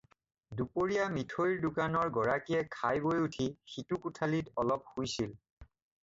দুপৰীয়া মিঠৈৰ দোকানৰ গৰাকীয়ে খাই বৈ উঠি সিটো কোঠালিত অলপ শুইছিল।